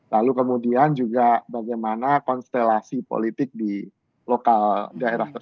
lalu kemudian juga bagaimana konstelasi politik di lokal daerah